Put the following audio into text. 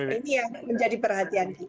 ini yang menjadi perhatian